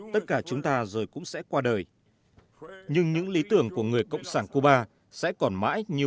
tất cả chúng ta rồi cũng sẽ qua đời nhưng những lý tưởng của người cộng sản cuba sẽ còn mãi như